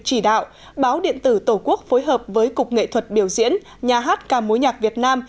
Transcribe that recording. chỉ đạo báo điện tử tổ quốc phối hợp với cục nghệ thuật biểu diễn nhà hát ca mối nhạc việt nam